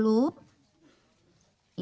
lurus ke depan terlebih dahulu